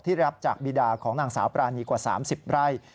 รับจากบีดาของนางสาวปรานีกว่า๓๐ไร่